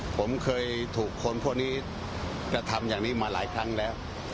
ผมเคยถูกคนพวกนี้กระทำอย่างนี้มาหลายครั้งแล้ว